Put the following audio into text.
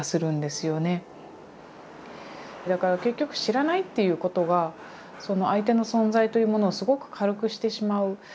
だから結局知らないっていうことが相手の存在というものをすごく軽くしてしまう。